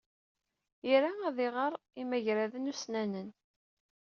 Ira ad iɣer imagraden ussnanen.